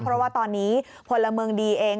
เพราะว่าตอนนี้พลเมืองดีเอง